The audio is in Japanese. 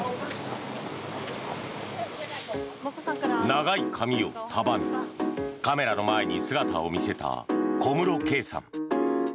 長い髪を束ねカメラの前に姿を見せた小室圭さん。